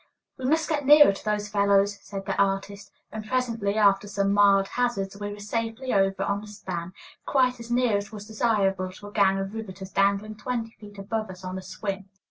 "We must get nearer to those fellows," said the artist; and presently, after some mild hazards, we were safely over on the span, quite as near as was desirable to a gang of riveters dangling twenty feet above us on a swing.